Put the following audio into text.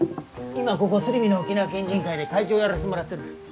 今はここ鶴見の沖縄県人会で会長をやらせてもらってる。